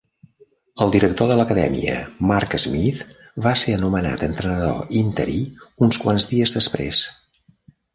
El director de l'acadèmia, Mark Smith, va ser anomenat entrenador interí uns quants dies després.